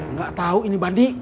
nggak tahu ini bandi